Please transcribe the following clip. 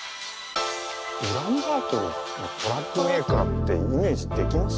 ウランバートルのトラックメーカーってイメージできます？